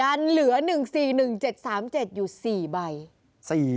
ยังเหลือ๑๔๑๗๓๗อยู่๔ใบ